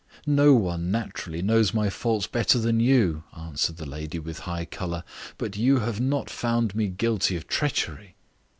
"No one, naturally, knows my faults better than you," answered the lady with a high colour. "But you have not found me guilty of treachery."